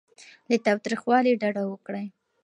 له تاوتریخوالي ډډه وکړئ.